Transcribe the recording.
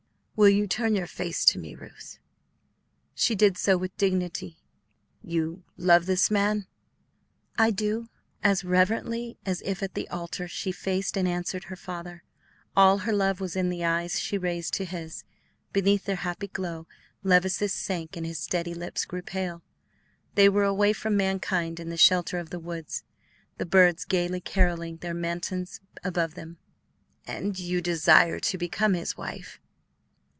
Will you turn your face to me, Ruth?" She did so with dignity. "You love this man?" "I do." As reverently as if at the altar, she faced and answered her father. All her love was in the eyes she raised to his. Beneath their happy glow Levice's sank and his steady lips grew pale. They were away from mankind in the shelter of the woods, the birds gayly carolling their matins above them. "And you desire to become his wife?"